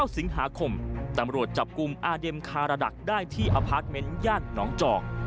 สิงหาคมตำรวจจับกลุ่มอาเด็มคาราดักได้ที่อพาร์ทเมนต์ย่านหนองจอก